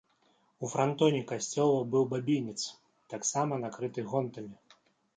У франтоне касцёла быў бабінец, таксама накрыты гонтамі.